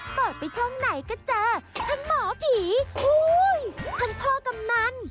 เปิดไปช่องไหนก็เจอทั้งหมอผีทั้งพ่อกำนัน